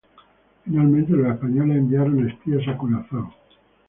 Finalmente los españoles enviaron espías a Curazao.